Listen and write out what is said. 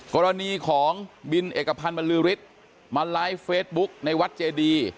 กรณีของบินเอกพันธ์บรรลือฤทธิ์มาไลฟ์เฟซบุ๊กในวัดเจดี